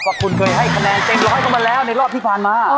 เพราะคุณเคยให้คะแนนเต็มร้อยกันมาแล้วในรอบพี่ฟานมา